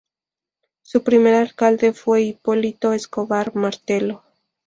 Su primer alcalde fue Hipólito Escobar Martelo.